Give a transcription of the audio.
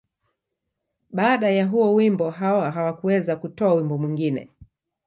Baada ya huo wimbo, Hawa hakuweza kutoa wimbo mwingine.